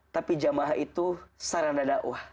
tapi jamaah itu sarana dakwah